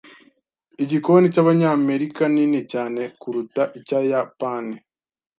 Igikoni cyabanyamerika nini cyane kuruta icyayapani.